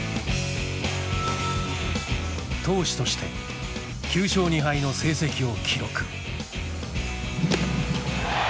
投手として９勝２敗の成績を記録。